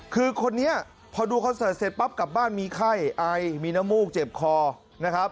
คือคนนี้พอดูคอนเสิร์ตเสร็จปั๊บกลับบ้านมีไข้ไอมีน้ำมูกเจ็บคอนะครับ